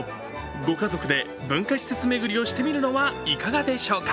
ご家族で文化施設巡りをしてみるのはいかがでしょうか。